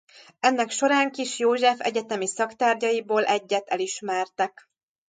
Ennek során Kiss József egyetemi szaktárgyaiból egyet elismertek.